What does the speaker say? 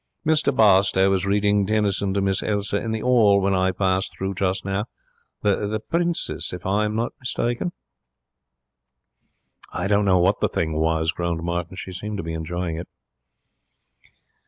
Mr Barstowe was reading Tennyson to Miss Elsa in the 'all when I passed through just now. The Princess, if I am not mistaken.' 'I don't know what the thing was,' groaned Martin. 'She seemed to be enjoying it.'